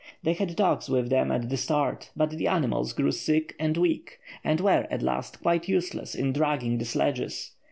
They had dogs with them at the start, but the animals grew sick and weak, and were, at last, quite useless in dragging the sledges.